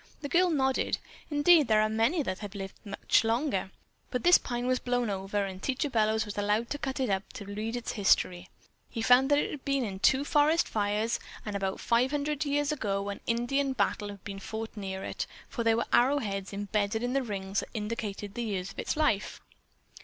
The girl nodded. "Indeed, there are many that have lived much longer, but this pine was blown over, and Teacher Bellows was allowed to cut it up to read its life history. He found that it had been in two forest fires, and about five hundred years ago an Indian battle had been fought near it, for there were arrow heads imbedded in the rings that indicated that year of its life."